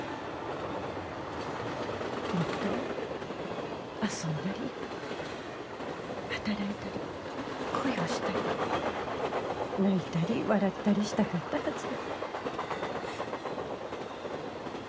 もっと遊んだり働いたり恋をしたり泣いたり笑ったりしたかったはず。